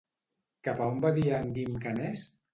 Cap a on va dir a en Guim que anés?